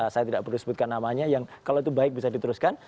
saya tidak perlu sebutkan namanya yang kalau itu baik bisa diteruskan